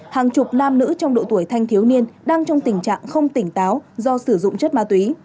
hàng chục nam nữ trong độ tuổi thanh thiếu niên đang trong tình trạng không tỉnh táo do sử dụng chất ma túy